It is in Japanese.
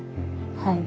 はい。